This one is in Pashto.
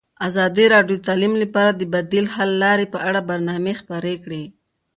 ازادي راډیو د تعلیم لپاره د بدیل حل لارې په اړه برنامه خپاره کړې.